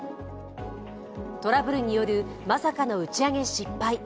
トラブルによるまさかの打ち上げ失敗。